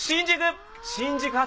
新宿！